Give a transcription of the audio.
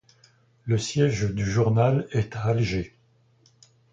Le siège du journal est à Alger.